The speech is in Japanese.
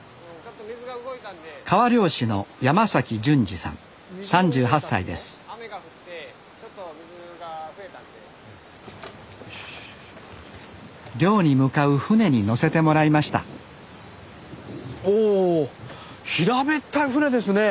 川漁師の漁に向かう船に乗せてもらいましたお平べったい船ですね。